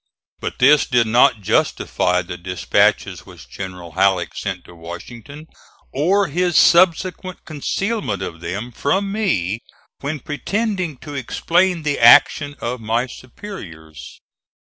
But this did not justify the dispatches which General Halleck sent to Washington, or his subsequent concealment of them from me when pretending to explain the action of my superiors.